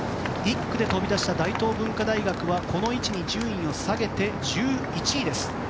１区で飛び出した大東文化大学はこの位置に順位を下げて１１位です。